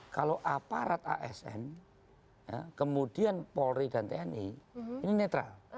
kalau aparat asn kemudian polri dan tni ini netral